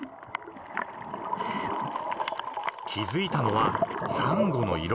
［気付いたのはサンゴの色］